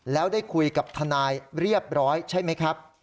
แล้วได้คุยกับทนายเรียบร้อยใช่ไหมครับ